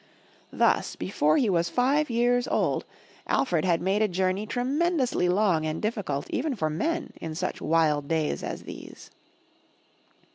Thus before he was five years old, Alfred had made a journey tremendously long and difficult even for men in such wild days as these.